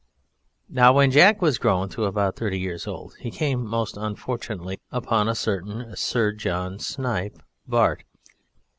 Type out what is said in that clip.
Now when Jack was grown to about thirty years old, he came, most unfortunately, upon a certain Sir John Snipe, Bart.